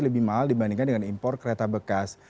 lebih mahal dibandingkan dengan impor kereta bekas